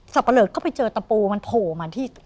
ปะเลอก็ไปเจอตะปูมันโผล่มาที่